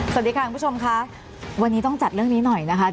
สวัสดีค่ะคุณผู้ชมค่ะวันนี้ต้องจัดเรื่องนี้หน่อยนะคะ